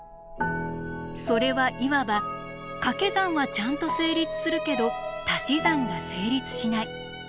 それはいわばかけ算はちゃんと成立するけどたし算が成立しない